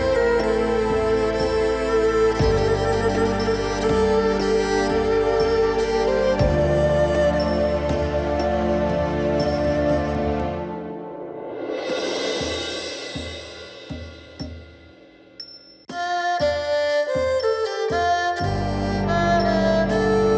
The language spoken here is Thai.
สวัสดีครับสวัสดีครับ